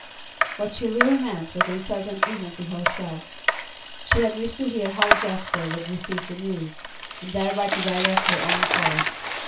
What she really meant was uncertain even to herself. She had wished to hear how Jasper would receive the news, and thereby to direct her own course.